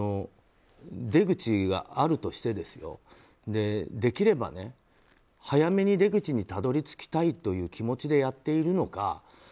出口があるとしてできれば、早めに出口にたどり着きたいという気持ちでやっているのか。